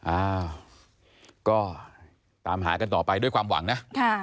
อ้าวก็ตามหากันต่อไปด้วยความหวังนะ